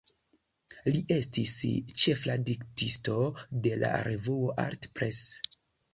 Li estis ĉefredaktisto de la revuo "Art Press".